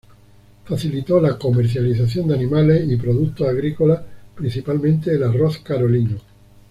Facilitó la comercialización de animales y productos agrícolas, principalmente el arroz carolino.